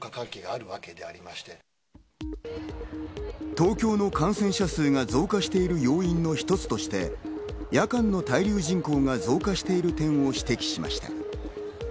東京の感染者数が増加している要因の一つとして夜間の滞留人口が増加している点を指摘しました。